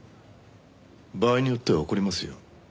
場合によっては怒りますよ。